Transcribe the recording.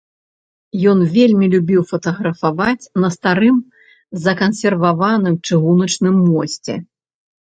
Ён вельмі любіў фатаграфаваць на старым закансерваваным чыгуначным мосце.